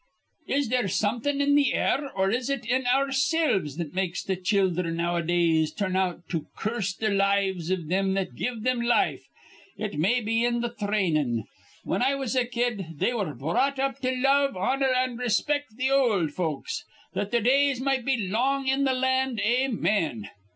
Is there somethin' in th' air or is it in oursilves that makes th' childher nowadays turn out to curse th' lives iv thim that give thim life? It may be in th' thrainin'. Whin I was a kid, they were brought up to love, honor, an' respect th' ol' folks, that their days might be long in th' land. Amen.